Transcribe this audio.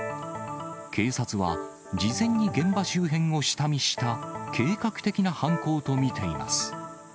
警察は、事前に現場周辺を下見した計画的な犯行と見ています。